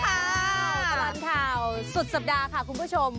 ตลอดข่าวสุดสัปดาห์ค่ะคุณผู้ชม